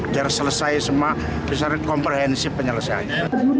biar selesai semua bisa komprehensif penyelesaiannya